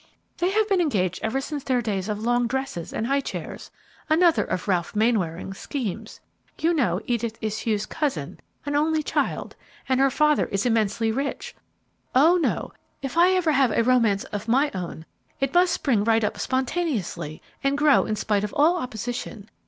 "They have been engaged ever since their days of long dresses and highchairs, another of Ralph Mainwaring's schemes! You know Edith is Hugh's cousin, an only child, and her father is immensely rich! Oh, no; if I ever have a romance of my own, it must spring right up spontaneously, and grow in spite of all opposition.